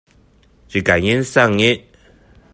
一個人生日